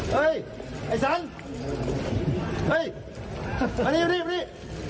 เฮ้ยไอ้สันเฮ้ยกลัวนี้กลัวนี้